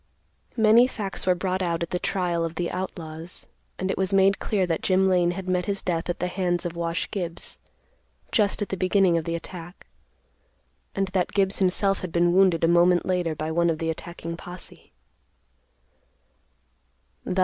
Many facts were brought out at the trial of the outlaws and it was made clear that Jim Lane had met his death at the hands of Wash Gibbs, just at the beginning of the attack, and that Gibbs himself had been wounded a moment later by one of the attacking posse.